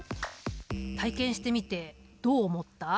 体験してみてどう思った？